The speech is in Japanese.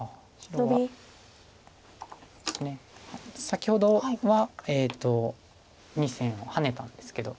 先ほどは２線をハネたんですけど。